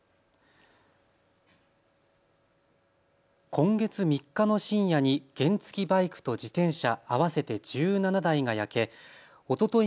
今月３日の深夜に原付きバイクと自転車合わせて１７台が焼けおととい